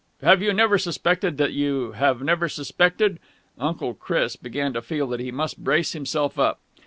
Have you never suspected that you have never suspected...." Uncle Chris began to feel that he must brace himself up.